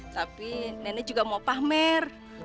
tapi nenek juga mau pamer